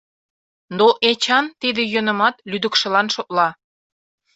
Но Эчан тиде йӧнымат лӱдыкшылан шотла.